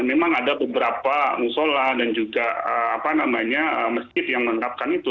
memang ada beberapa musola dan juga masjid yang menetapkan itu